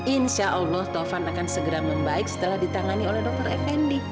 insya allah tovan akan segera membaik setelah ditangani oleh dr effendi